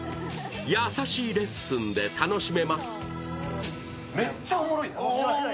やさしいレッスンで楽しめます。